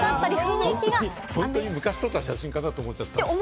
本当に昔撮った写真かと思っちゃった。